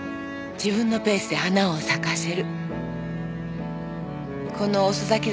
自分のペースで花を咲かせる。